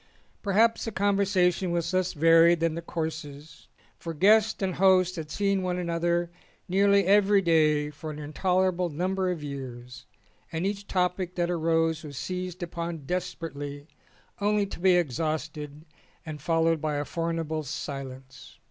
Perhaps the conversation was less varied than the courses, for guests and hosts had seen one another nearly every day for an intolerable num ber of years and each topic that arose was seized upon desperately only to be exhausted and fol lowed by a formidable silence.